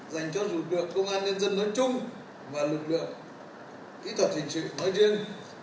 dành cho rủi ruột được công an nhân dân nói chung và lực lượng kỹ thuật hình sự nói riêng